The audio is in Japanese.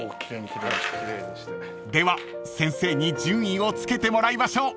［では先生に順位をつけてもらいましょう］